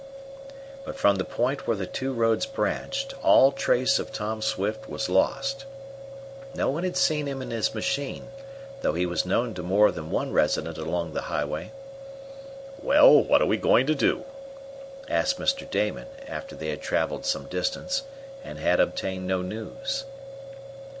But from the point where the two roads branched, all trace of Tom Swift was lost. No one had seen him in his machine, though he was known to more than one resident along the highway. "Well, what are we going to do?" asked Mr. Damon, after they had traveled some distance and had obtained no news.